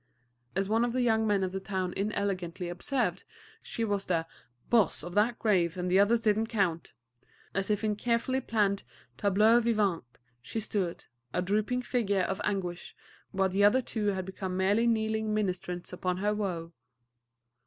As one of the young men of the town inelegantly observed, she was "boss of that grave and the others did n't count." As if in a carefully planned tableau vivant, she stood, a drooping figure of anguish, while the other two had become merely kneeling ministrants upon her woe.